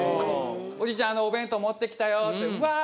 「おじいちゃんお弁当持ってきたよ」って「わあ」。